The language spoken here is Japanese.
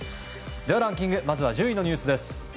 では、ランキングまずは１０位のニュースです。